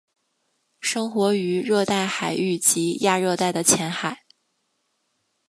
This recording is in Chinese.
生活于热带海域及亚热带的浅海。